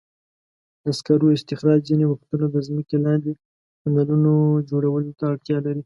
د سکرو استخراج ځینې وختونه د ځمکې لاندې د تونلونو جوړولو ته اړتیا لري.